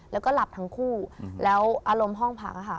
แล้วก็หลับทั้งคู่แล้วอารมณ์ห้องพักค่ะ